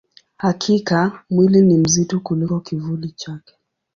Hakika, mwili ni mzito kuliko kivuli chake.